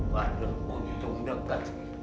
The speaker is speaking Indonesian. waduh untung dekat sih